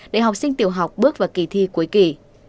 để học sinh tiểu học bước vào kỳ thi cuối kỳ